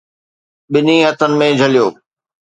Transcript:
ٻنهي هٿن ۾ جهليو.